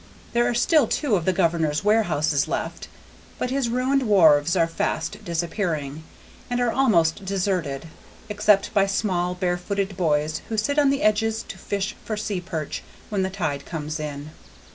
There are still two of the governor's warehouses left, but his ruined wharves are fast disappearing, and are almost deserted, except by small barefooted boys who sit on the edges to fish for sea perch when the tide comes in.